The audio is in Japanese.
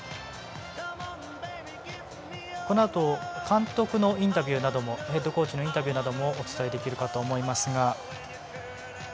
このあと、ヘッドコーチのインタビューなどもお伝えできるかと思いますが。